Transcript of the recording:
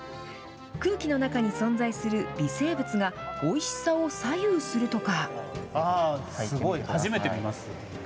空気の中に存在する微生物が、おいしさを左右するとか。